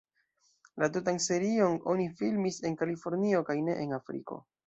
La tutan serion oni filmis en Kalifornio kaj ne en Afriko.